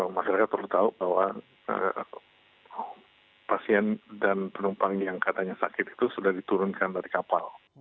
masyarakat perlu tahu bahwa pasien dan penumpang yang katanya sakit itu sudah diturunkan dari kapal